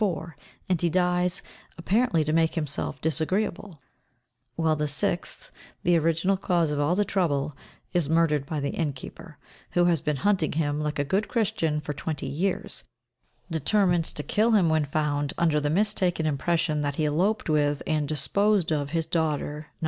4, and he dies, apparently to make himself disagreeable; while the sixth, the original cause of all the trouble, is murdered by the innkeeper, who has been hunting him, like a good Christian, for twenty years, determined to kill him when found, under the mistaken impression that he eloped with, and disposed of, his daughter, No.